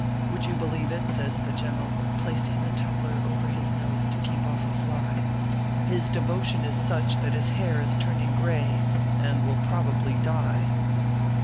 Would you believe it," says the General, placing the tumbler over his nose to keep off a fly, " his devotion is such that his hair is turning gray and will probably dye